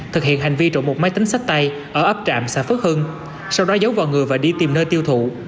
thực hiện hành vi trộm một máy tính sách tay ở ấp trạm xã phước hưng sau đó giấu vào người và đi tìm nơi tiêu thụ